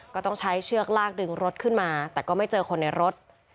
ก็ต้องใช้เชือกลากดึงรถขึ้นมาแต่ก็ไม่เจอคนในรถ